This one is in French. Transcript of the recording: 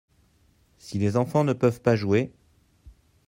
Si les enfants ne peuvent pas jouer.